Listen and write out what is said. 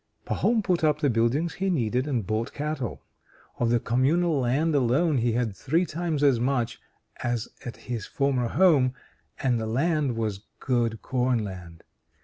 Pahom put up the buildings he needed, and bought cattle. Of the Communal land alone he had three times as much as at his former home, and the land was good corn land.